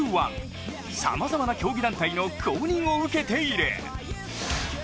さまざまな競技団体の公認を受けている。